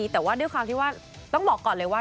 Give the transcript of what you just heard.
แต่ว่าด้วยความที่ว่าต้องบอกก่อนเลยว่า